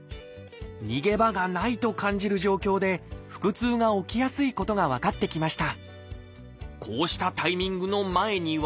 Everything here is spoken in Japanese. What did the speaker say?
逃げ場がないと感じる状況で腹痛が起きやすいことが分かってきました。